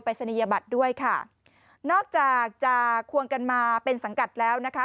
สนิยบัตรด้วยค่ะนอกจากจะควงกันมาเป็นสังกัดแล้วนะคะ